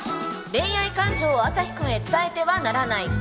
恋愛感情をアサヒくんへ伝えてはならない。